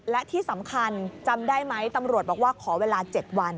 และที่สำคัญจำได้ไหมตำรวจบอกว่าขอเวลา๗วัน